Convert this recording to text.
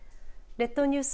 列島ニュース